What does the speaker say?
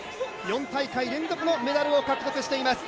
４大会連続のメダルを獲得しています。